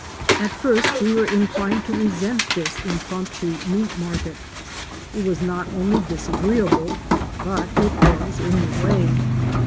At first we were inclined to resent this impromptu meat market. It was not only disagreeable but it was in the way.